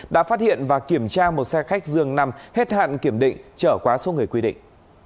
đã phát hiện và kiểm tra một xe khách dường nằm hết hạn kiểm định trở quá số người quy định